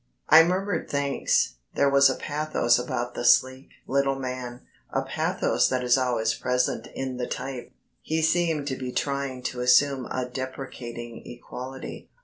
I murmured thanks. There was a pathos about the sleek little man a pathos that is always present in the type. He seemed to be trying to assume a deprecating equality.